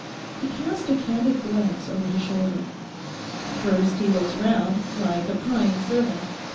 He cast a candid glance over his shoulder. 'First he looks round, like a prying servant.